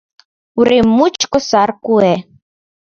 Урем мучко сар куэ.